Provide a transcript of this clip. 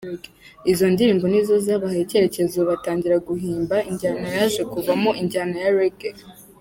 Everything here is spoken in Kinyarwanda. Izo ndirimbo nizo zabahaye icyerekezo batangira guhimba injyana yaje kubvamo injyana ya Reggae.